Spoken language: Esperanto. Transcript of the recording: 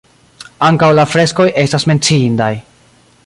Ankaŭ la freskoj estas menciindaj.